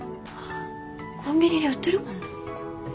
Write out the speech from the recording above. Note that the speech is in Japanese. コンビニに売ってるかな？